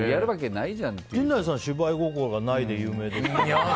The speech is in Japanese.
陣内さん、芝居心がないで有名ですよね。